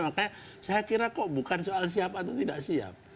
makanya saya kira kok bukan soal siap atau tidak siap